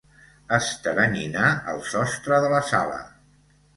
Esteranyinar el sostre de la sala.